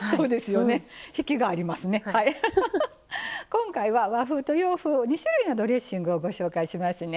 今回は和風と洋風２種類のドレッシングをご紹介しますね。